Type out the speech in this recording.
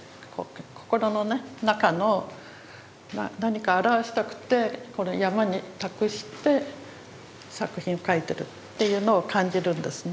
心のね中の何か表したくて山に託して作品を描いてるっていうのを感じるんですね。